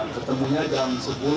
ketemunya jam sepuluh sepuluh